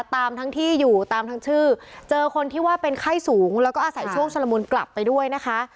ตามทั้งที่อยู่ตามทั้งชื่อเจอคนที่ว่าเป็นไข้สูงแล้วก็อาศัยช่วงชุลมุนกลับไปด้วยนะคะ